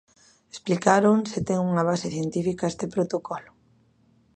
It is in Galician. Explicaron se ten unha base científica este protocolo?